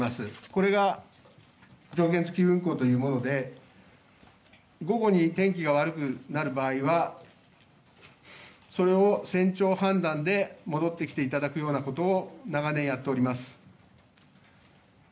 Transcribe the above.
これが条件付き運航というもので午後に天気が悪くなる場合はそれを船長判断で戻ってきていただくようなことを長年やっています。